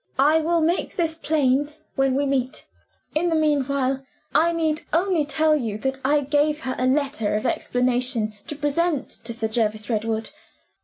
I will make this plain when we meet. In the meanwhile, I need only tell you that I gave her a letter of explanation to present to Sir Jervis Redwood.